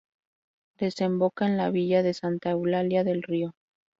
Desemboca en la villa de Santa Eulalia del Río.